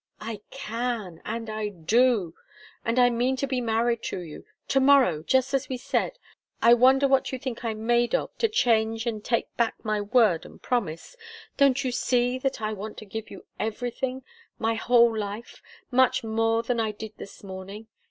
"I can and I do. And I mean to be married to you to morrow, just as we said. I wonder what you think I'm made of, to change and take back my word and promise! Don't you see that I want to give you everything my whole life much more than I did this morning?